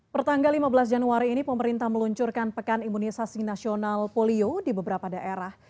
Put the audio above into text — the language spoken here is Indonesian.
pertanggal lima belas januari ini pemerintah meluncurkan pekan imunisasi nasional polio di beberapa daerah